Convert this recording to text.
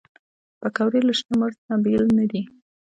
پکورې له شنه مرچ نه بېل نه دي